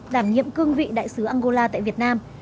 đảm nhiệm cương vị đại sứ angola tại việt nam